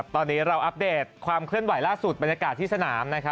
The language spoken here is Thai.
ตอนนี้เราอัปเดตความเคลื่อนไหวล่าสุดบรรยากาศที่สนาม